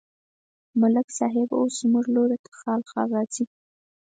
ملک صاحب اوس زموږ لوري ته خال خال راځي.